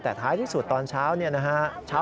แต่ท้ายที่สุดตอนเช้าเนี่ยนะฮะ